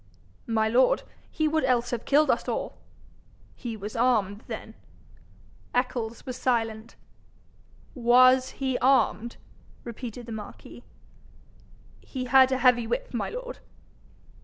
'My lord, he would else have killed us all.' 'He was armed then?' Eccles was silent. 'Was he armed?' repeated the marquis. 'He had a heavy whip, my lord.'